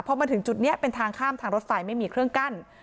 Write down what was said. พอมาถึงจุดนี้เป็นทางข้ามทางรถไฟไม่มีเครื่องกั้น